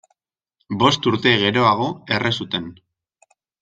Bost urte geroago erre zuten.